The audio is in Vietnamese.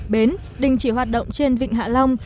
bến đình chỉ hoạt động trên vịnh hạ long